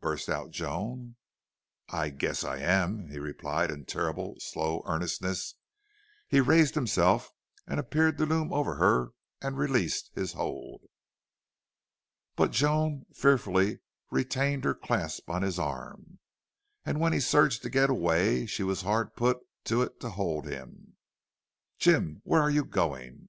burst out Joan. "I guess I am," he replied in terrible, slow earnestness. He raised himself and appeared to loom over her and released his hold. But Joan fearfully retained her clasp on his arm, and when he surged to get away she was hard put to it to hold him. "Jim! Where are you going?"